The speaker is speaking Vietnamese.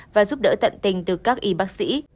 và giúp đỡ tận tình từ các y bác sĩ